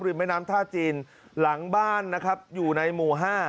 แม่น้ำท่าจีนหลังบ้านนะครับอยู่ในหมู่๕